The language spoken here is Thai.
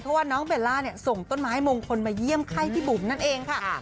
เพราะว่าน้องเบลล่าเนี่ยส่งต้นไม้มงคลมาเยี่ยมไข้พี่บุ๋มนั่นเองค่ะ